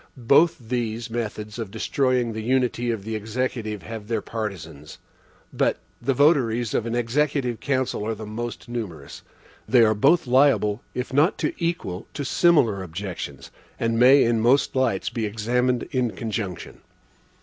(1) Both these methods of destroying the unity of the Executive have their partisans; but the votaries of an executive council are the most numerous. They are both liable, if not to equal, to similar objections, and may in most lights be examined in conjunction.